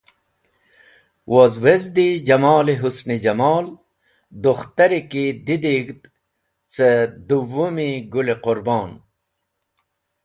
Woz wezdei jamol-e hũsn-e jamol dukhtari ki didig̃hd ce duyum-e Gũl-e Qũrbon.